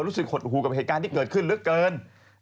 รู้สึกหดหูกับเหตุการณ์ที่เกิดขึ้นลึกเกิน